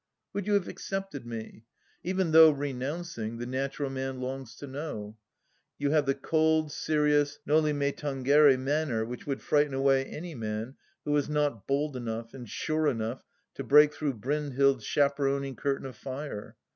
"Would you have accepted me ? Even though renouncing, the natural man longs to know. You have the cold, serious noli me tangere manner which would frighten away any man who was not bold enough and sure enough to break through Brynhild's chaperoning curtain of fire.